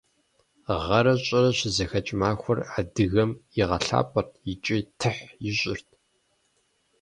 Гъэрэ щӏырэ щызэхэкӏ махуэр адыгэм игъэлӏапӏэрт икӏи тыхь ищӏырт.